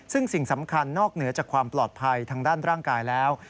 ซึ่งสิ่งสำคัญนอกเหนือจากความปลอดภัยทางด้านร่างกายแล้ว